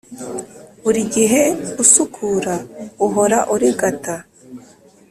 buri gihe usukura, uhora urigata,